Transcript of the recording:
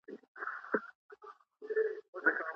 ولي لېواله انسان د وړ کس په پرتله موخي ترلاسه کوي؟